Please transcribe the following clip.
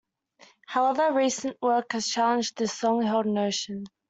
However, recent work has challenged this long held notion.